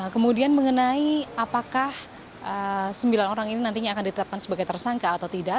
kemudian mengenai apakah sembilan orang ini nantinya akan ditetapkan sebagai tersangka atau tidak